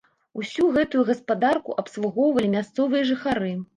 Усю гэтую гаспадарку абслугоўвалі мясцовыя жыхары.